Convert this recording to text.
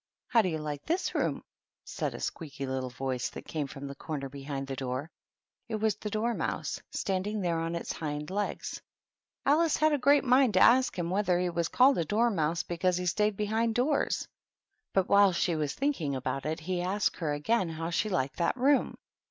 " How do you like this room ?" said a squeaky little voice that came from the corner behind the door. It was the Dormouse, standing there on his hind legs. Alice had a great mind to ask him whether he was called a Dormouse be cause he stayed behind doors ; but while she was THE TEA TABLE. 67 thinking about it, he asked her again how she liked that room.